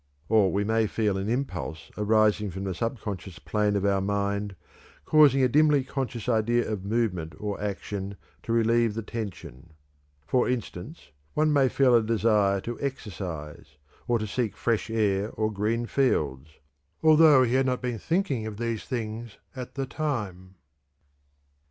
Or we may feel an impulse arising from the subconscious plane of our mind, causing a dimly conscious idea of movement or action to relieve the tension. For instance, one may feel a desire to exercise, or to seek fresh air or green fields, although he had not been thinking of these things at the time.